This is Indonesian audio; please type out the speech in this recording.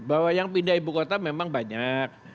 bahwa yang pindah ibu kota memang banyak